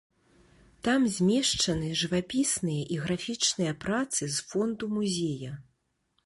Там змешчаны жывапісныя і графічныя працы з фонду музея.